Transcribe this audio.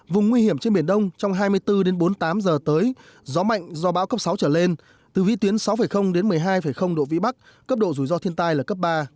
vùng nguy hiểm trên biển đông trong hai mươi bốn bốn mươi tám giờ tới gió mạnh do bão cấp sáu trở lên từ vị tuyến sáu đến một mươi hai độ vĩ bắc cấp độ rủi ro thiên tai là cấp ba